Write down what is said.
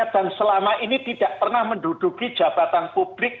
dan selama ini tidak pernah menduduki jabatan publik